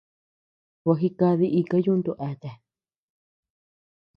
Gua jikadi ika yuntu eatea.